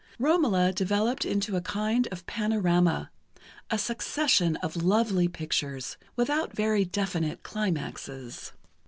"Romola" developed into a kind of panorama—a succession of lovely pictures, without very definite climaxes.